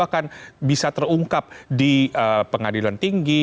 akan bisa terungkap di pengadilan tinggi